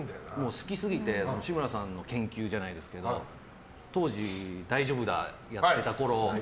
好きすぎて志村さんの研究じゃないですけど当時、だいじょぶだぁやってたころ